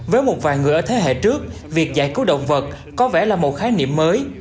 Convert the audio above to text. với một vài người ở thế hệ trước việc giải cứu động vật có vẻ là một khái niệm mới